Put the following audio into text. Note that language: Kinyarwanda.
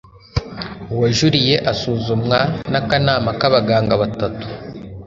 uwajuliye asuzumwa n akanama k abaganga batatu